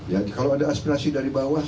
ya kalau ada aspirasi dari bawah